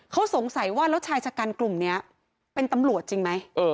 เขาสงสัยว่าแล้วชายชะกันกลุ่มนี้เป็นตำรวจจริงไหม